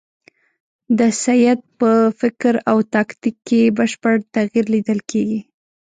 د سید په فکر او تاکتیک کې بشپړ تغییر لیدل کېږي.